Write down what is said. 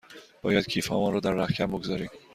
باید کیف هامان را در رختکن بگذاریم.